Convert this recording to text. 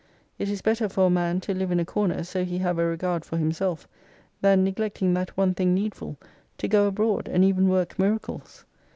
It is better for a man ' to live in a corner, so he have a regard for himself ; than, neglecting that 'one thing needful,' to go abroad, and even work miracles.